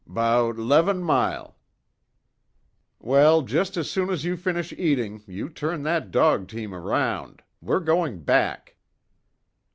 "Bout 'leven mile." "Well, just as soon as you finish eating you turn that dog team around. We're going back."